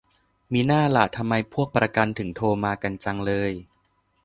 มิน่าล่ะ ทำไมพวกประกัน ถึงโทรมากันจังเลย